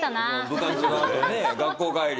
部活のあとね学校帰り。